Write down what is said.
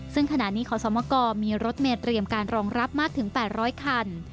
ซึ่งขณะนี้ขอสมกรมีรถเมย์เตรียมการรองรับมากถึง๘๐๐คัน